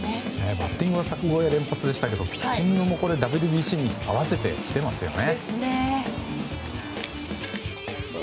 バッティングは柵越え連発でしたけどピッチングもＷＢＣに合わせてきてますよね。